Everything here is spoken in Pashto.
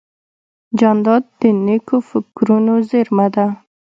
جانداد د نیکو فکرونو زېرمه ده.